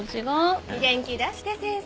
元気出して先生。